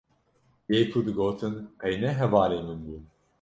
yê ku digotin qey ne hevalê min bûn